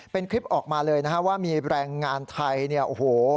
เป็นคลิปออกมาเลยนะฮะว่ามีแรงงานไทยเนี่ยโอ้โห